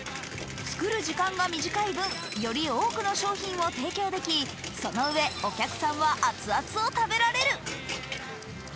作る時間が短い分、より多くの商品を提供でき、そのうえ、お客さんは熱々を食べられる。